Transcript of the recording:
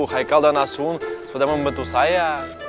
haikal dan asung sudah membantu saya